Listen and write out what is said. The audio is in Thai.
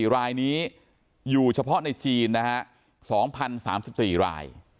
๔รายนี้อยู่เฉพาะในจีนนะฮะ๒๐๓๔ราย